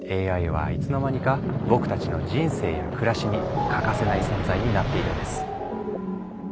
ＡＩはいつの間にか僕たちの人生や暮らしに欠かせない存在になっているんです。